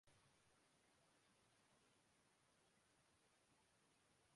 common wealth Games Pakistan اور Malaysia hockey team کا match ایک ایک گول سے برابر